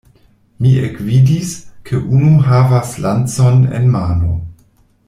Mi ekvidis, ke unu havas lancon en mano.